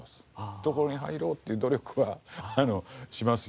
懐に入ろうっていう努力はしますよね。